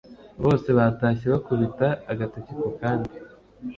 bose batashye bakubita agatoki ku kandi